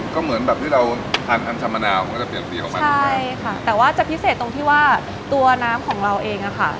ก็เหมือนแบบที่เราทานทำชามะนาวมันก็จะเปลี่ยนปีกออกมาใช่ค่ะแต่ว่าจะพิเศษตรงที่ว่าตัวน้ำของเราเองอะค่ะ